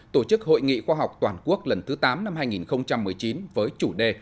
tổ chức hội nghị khoa học toàn quốc lần thứ tám năm hai nghìn một mươi chín với chủ đề